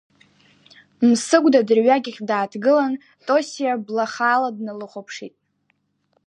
Мсыгәда дырҩагьых дааҭгылан Тосиа бла хаала дналыхәаԥшит.